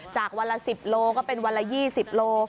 จากวันละ๑๐โลก็เป็นวันละ๒๐โล